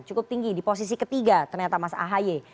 cukup tinggi di posisi ketiga ternyata mas ahaye